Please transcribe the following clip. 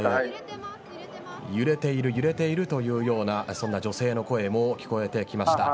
揺れている、揺れているというような女性の声も聞こえてきました。